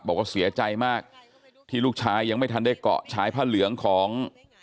บอกว่าเสียใจมากที่ลูกชายยังไม่ทันได้เกาะชายผ้าเหลืองของ